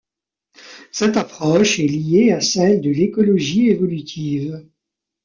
Cette approche est liée à celle de l'écologie évolutive.